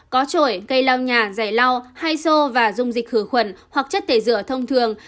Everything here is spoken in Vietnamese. có trổi cây lau nhà giày lau hai sổ và dùng dịch khử khuẩn hoặc chất tẩy rửa thông thường